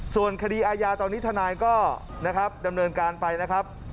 ส่วนคดีอาญาตอนนี้ทนายก็นะครับดำเนินการไปนะครับ